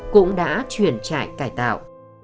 cũng đã chuyển trại cải tạo